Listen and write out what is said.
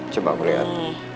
coba aku lihat